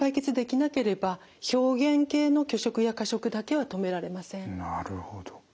なるほど。